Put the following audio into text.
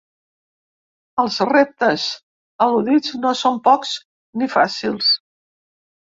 Els reptes al·ludits no són pocs, ni fàcils.